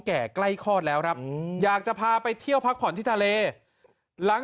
ใกล้คลอดแล้วครับอยากจะพาไปเที่ยวพักผ่อนที่ทะเลหลัง